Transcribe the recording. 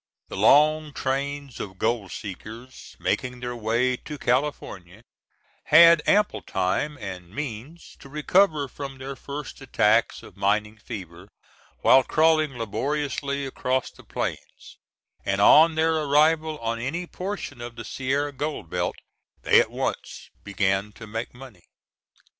The long trains of gold seekers making their way to California had ample time and means to recover from their first attacks of mining fever while crawling laboriously across the plains, and on their arrival on any portion of the Sierra gold belt, they at once began to make money.